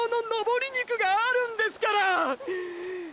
筋肉があるんですからァ！！